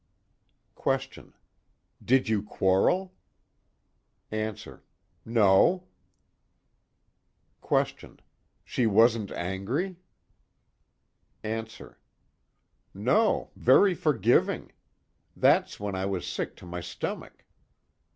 QUESTION: Did you quarrel? ANSWER: No. QUESTION: She wasn't angry? ANSWER: No, very forgiving. That's when I was sick to my stomach.